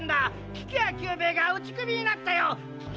菊屋久兵衛が打首になったよ！